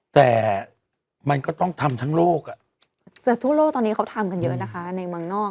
แต่มันก็ต้องทำทั้งโลกอ่ะเสือทั่วโลกตอนนี้เขาทำกันเยอะนะคะในเมืองนอก